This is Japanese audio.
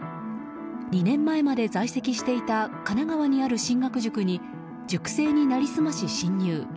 ２年前まで在籍していた神奈川にある進学塾に塾生に成り済まし、侵入。